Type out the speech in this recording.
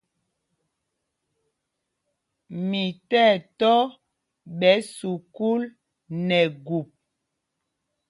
Mi tí ɛtɔ̄ ɓɛ̌ sukûl nɛ gup.